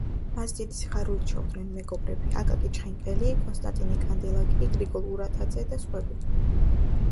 მას დიდი სიხარულით შეხვდნენ მეგობრები: აკაკი ჩხენკელი, კონსტანტინე კანდელაკი, გრიგოლ ურატაძე და სხვები.